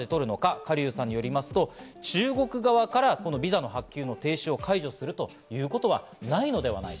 カ・リュウさんによると中国側からビザの発給を停止するということはないのではないか。